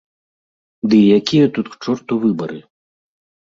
Ды і якія тут, к чорту, выбары?